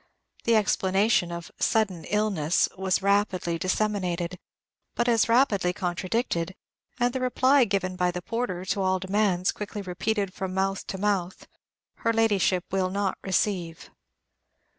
The explanation of "sudden illness" was rapidly disseminated, but as rapidly contradicted, and the reply given by the porter to all demands quickly repeated from mouth to mouth, "Her Ladyship will not receive."